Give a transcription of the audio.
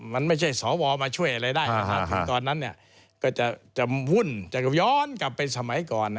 มันไม่ใช่สวมาช่วยอะไรได้ถึงตอนนั้นก็จะวุ่นจะย้อนกลับไปสมัยก่อน